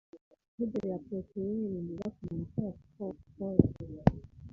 Poudre ya protein ninziza kumuntu ukora sport